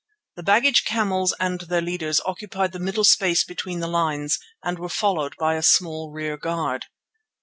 The baggage camels and their leaders occupied the middle space between the lines and were followed by a small rear guard.